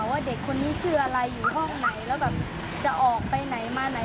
ว่าเด็กคนนี้ชื่ออะไรอยู่ห้องไหนแล้วแบบจะออกไปไหนมาไหน